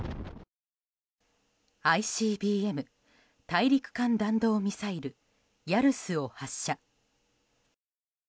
ＩＣＢＭ・大陸間弾道ミサイルヤルスを発射。